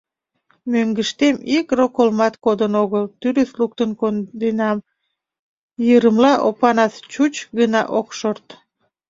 Мӧҥгыштем ик роколмат кодын огыл, тӱрыс луктын конденам, — йырымла Опанас, чуч гына ок шорт.